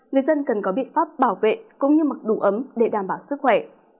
người dân cần có biện pháp bảo vệ cũng như mặc đủ ấm để đảm bảo sức khỏe